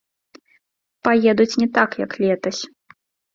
Паедуць не так як летась.